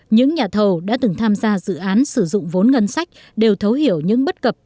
những nhà thầu đã từng tham gia dự án sử dụng vốn ngân sách đều thấu hiểu những bất cập